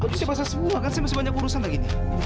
baju saya basah semua kan saya masih banyak urusan lagi nih